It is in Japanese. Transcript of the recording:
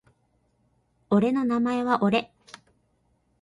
俺の名前は俺